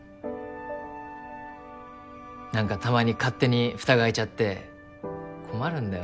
何かたまに勝手に蓋が開いちゃって困るんだよ